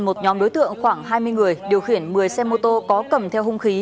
một nhóm đối tượng khoảng hai mươi người điều khiển một mươi xe mô tô có cầm theo hung khí